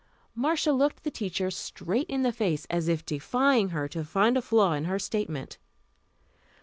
Marcia looked the teacher straight in the face, as if defying her to find a flaw in her statement.